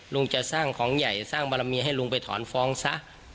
ลุงจะสร้างของใหญ่สร้างบารมีให้ลุงไปถอนฟ้องซะ